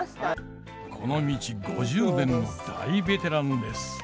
この道５０年の大ベテランです。